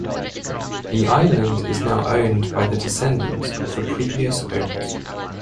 The island is now owned by the descendants of the previous owners.